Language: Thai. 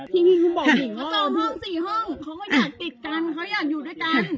จองห้องสี่ห้องเขาก็จะติดกันเขาอยากอยู่ด้วยกัน